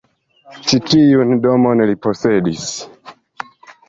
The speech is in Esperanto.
Ĉi tiun domon li posedis.